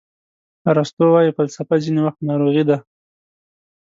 ارسطو وایي فلسفه ځینې وخت ناروغي ده.